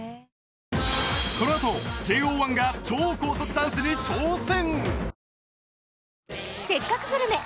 このあとＪＯ１が超高速ダンスに挑戦